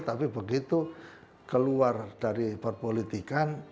tapi begitu keluar dari perpolitikan